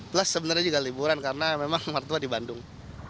plus sebenarnya juga liburan karena memang mertua di bandung